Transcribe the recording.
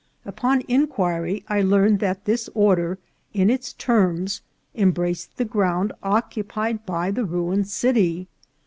Upon inquiry I learned that this order, in its terms, embraced the ground occupied by the ruined city.